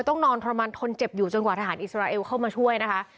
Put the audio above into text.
ต้องนอนทรมานทนเจ็บอยู่จนกว่าทหารอิสราเอลเข้ามาช่วยนะคะ